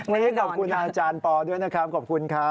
วันนี้ขอบคุณอาจารย์ปอด้วยนะครับขอบคุณครับ